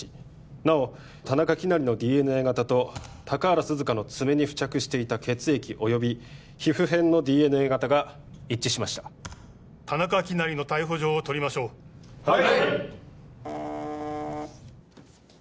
なお田中希也のＤＮＡ型と高原涼香の爪に付着していた血液および皮膚片のＤＮＡ型が一致しました田中希也の逮捕状を取りましょうはい！